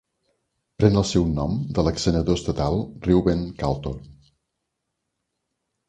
Pren el seu nom de l'exsenador estatal Reuben Carlton.